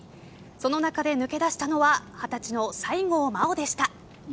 その中で抜け出したのは二十歳の西郷真央でした。